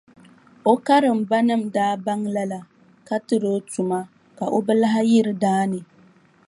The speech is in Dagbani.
O karimbanima daa baŋ lala ka tiri o tuma ka o bi lahi yiri daa ni.